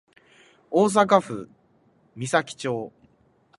大阪府岬町